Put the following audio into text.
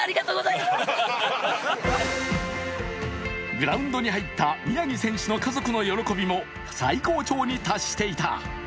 グラウンドに入った宮城選手の家族の喜びも最高潮に達していた。